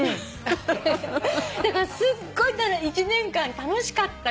だからすっごい１年間楽しかった。